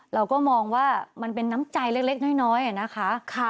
เราก็มองว่ามันเป็นน้ำใจเล็กน้อยนะคะ